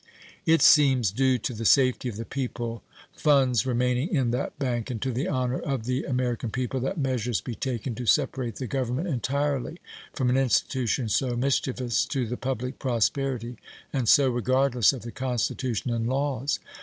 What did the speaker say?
It seems due to the safety of the people funds remaining in that bank and to the honor of the American people that measures be taken to separate the Government entirely from an institution so mischievous to the public prosperity and so regardless of the Constitution and laws.